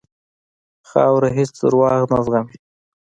خاوره هېڅ دروغ نه زغمي.